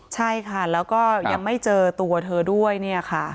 ใช่ค่ะแล้วก็ยังไม่เจอตัวเธอด้วยเนี่ยค่ะ